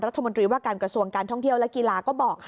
รัฐมนตรีว่าการกระทรวงการท่องเที่ยวและกีฬาก็บอกค่ะ